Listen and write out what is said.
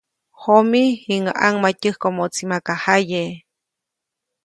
Jomi, jiŋäʼ ʼaŋmatyäjkomoʼtsi maka jaye.